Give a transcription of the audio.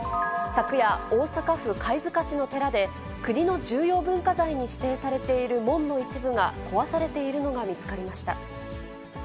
昨夜、大阪府貝塚市の寺で、国の重要文化財に指定されている門の一部が壊されているのが見つかりました。